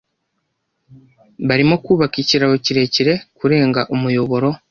Barimo kubaka ikiraro kirekire kurenga umuyoboro.